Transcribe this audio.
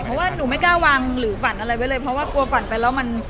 เพราะว่าหนูไม่กล้าวางหรือฝันอะไรไว้เลยเพราะว่ากลัวฝันไปแล้วมัน